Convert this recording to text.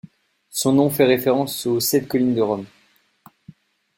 Son nom fait référence aux Sept collines de Rome.